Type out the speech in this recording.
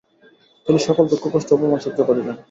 তিনি সকল দুঃখকষ্ট ও অপমান সহ্য করিলেন।